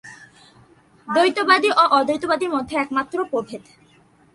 দ্বৈতবাদী ও অদ্বৈতবাদীর মধ্যে এইমাত্র প্রভেদ।